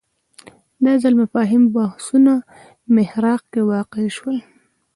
دا ځل مفاهیم بحثونو محراق کې واقع شول